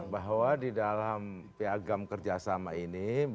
bahwa di dalam piagam kerjasama ini